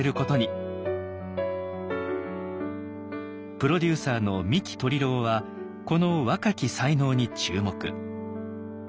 プロデューサーの三木鶏郎はこの若き才能に注目。